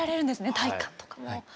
体幹とかも。